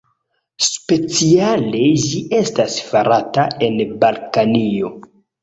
Speciale ĝi estas farata en Balkanio.